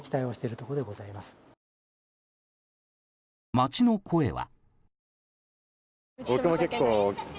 街の声は。